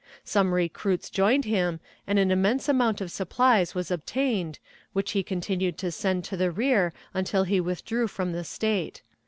Some recruits joined him, and an immense amount of supplies was obtained, which he continued to send to the rear until he withdrew from the State.